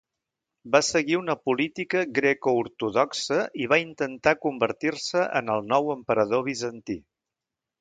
Va seguir una política greco-ortodoxa i va intentar convertir-se en el nou emperador bizantí.